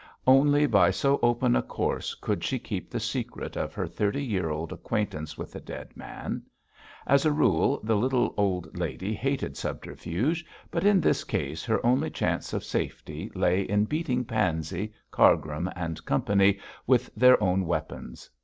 Only by so open a course could she keep the secret of her thirty year old acquaintance with the dead man. As a rule, the little old lady hated subterfuge, but in this case her only chance of safety lay in beating Pansey, Cargrim and Company with their own weapons.